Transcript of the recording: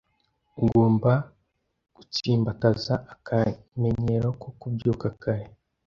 Ugomba gutsimbataza akamenyero ko kubyuka kare.